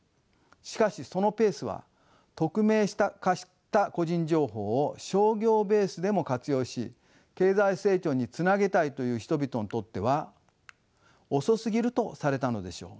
しかしそのペースは匿名化した個人情報を商業ベースでも活用し経済成長につなげたいという人々にとっては遅すぎるとされたのでしょう。